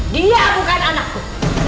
dia bukan anakku